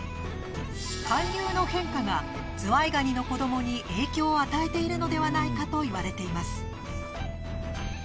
海流の変化がズワイガニの子どもに影響を与えているのではないかといわれています。